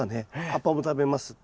葉っぱも食べます。